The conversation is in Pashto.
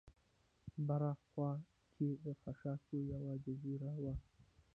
بره خوا کې د خاشاکو یوه جزیره وه.